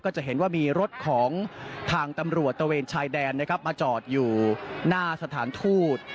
จะเห็นว่ามีรถของทางตำรวจตะเวนชายแดนนะครับมาจอดอยู่หน้าสถานทูต